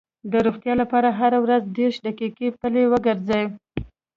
د روغتیا لپاره هره ورځ دېرش دقیقې پلي وګرځئ.